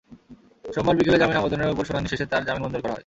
সোমবার বিকেলে জামিন আবেদনের ওপর শুনানি শেষে তাঁর জামিন মঞ্জুর করা হয়।